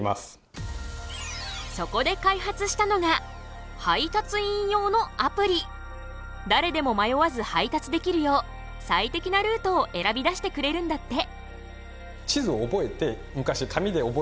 そこで開発したのが誰でも迷わず配達できるよう最適なルートを選び出してくれるんだって。